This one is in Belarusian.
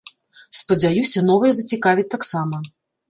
Спадзяюся, новая зацікавіць таксама.